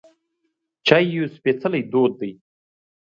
چای یو سپیڅلی دود دی.